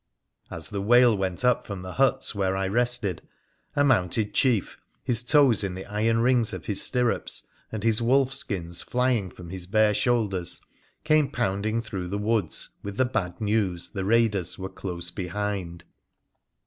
As the wail went up from the huts where I rested, a mounted chief, his toes in the iron rings of his stirrups and his wolf skins flying from his bare shoulders, came pounding through the woods with the bad news the raiders were close behind.